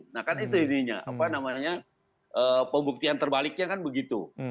nah kan itu intinya apa namanya pembuktian terbaliknya kan begitu